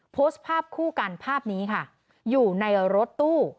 โพสต์ภาพคู่กันภาพนี้ค่ะอยู่ในรถตู้